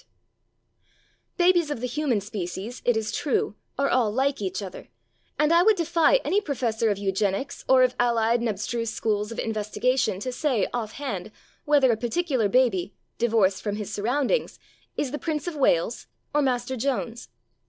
250 There Arose a King Babies of the human species, it is true, are all like each other, and I would defy any professor of Eugenics or of allied and abstruse schools of in vestigation to say, off hand, whether a particu lar baby, divorced from his surroundings, is the Prince of Wales or Master Jones.